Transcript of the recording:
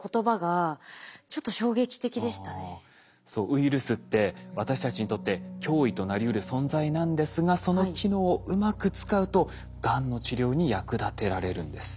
ウイルスって私たちにとって脅威となりうる存在なんですがその機能をうまく使うとがんの治療に役立てられるんです。